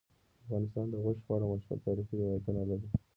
افغانستان د غوښې په اړه مشهور تاریخی روایتونه لري.